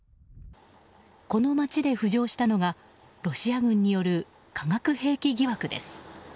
この街で浮上したのがロシア軍による化学兵器疑惑です。